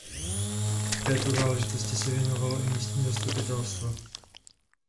Této záležitosti se věnovalo i místní zastupitelstvo.